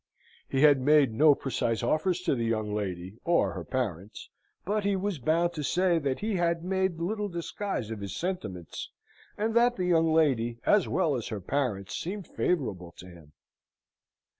He had made no precise offers to the young lady or her parents; but he was bound to say that he had made little disguise of his sentiments, and that the young lady, as well as her parents, seemed favourable to him.